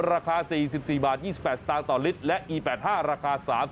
ราคาสี่สิบสี่บาทยี่สิบแปดสตางค์ต่อลิตรและอีแปดห้าราคาสาม